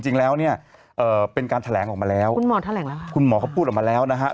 จริงแล้วเนี่ยเป็นการแถลงออกมาแล้วคุณหมอแถลงแล้วค่ะคุณหมอเขาพูดออกมาแล้วนะฮะ